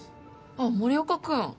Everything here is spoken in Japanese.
あっ、森岡君。